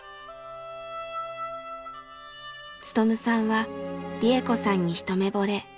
勉さんは利恵子さんに一目ぼれ。